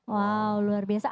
wow luar biasa